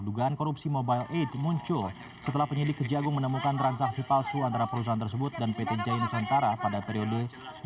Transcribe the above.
dugaan korupsi mobile aid muncul setelah penyidik kejagung menemukan transaksi palsu antara perusahaan tersebut dan pt jainusantara pada periode dua ribu dua puluh